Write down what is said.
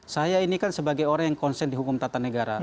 saya ini kan sebagai orang yang konsen di hukum tata negara